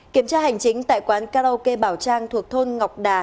kiểm tra hành chính tại quán karaoke bảo trang thuộc thôn ngọc đà